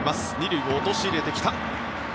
２塁を陥れてきた。